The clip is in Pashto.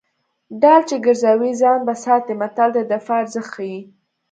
ډال چې ګرځوي ځان به ساتي متل د دفاع ارزښت ښيي